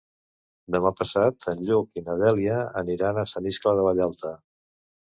Demà passat en Lluc i na Dèlia aniran a Sant Iscle de Vallalta.